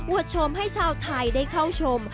ชมให้ชาวไทยได้เข้าชม